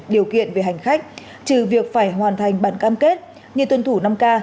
điều kiện về hành khách trừ việc phải hoàn thành bản cam kết như tuân thủ năm k